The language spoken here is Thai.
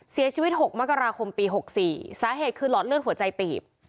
เสียชีวิต๖มกราคมปี๖๔สาเหตุคือหลอดเลือดหัวใจตีบ